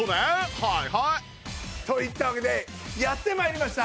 はいはいといったわけでやって参りました！